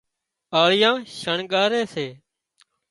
آۯيئان شڻڳاري سي